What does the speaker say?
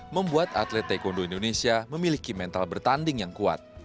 membuat atlet taekwondo indonesia memiliki mental bertanding yang kuat